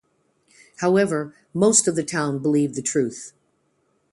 However most of the town believe the truth.